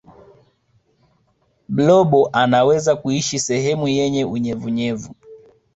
blobo anaweza kuishi sehemu yenye unyevunyevu